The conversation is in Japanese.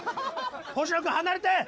星野くん離れて！